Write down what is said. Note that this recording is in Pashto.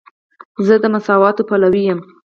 زه د مساواتو پلوی یم.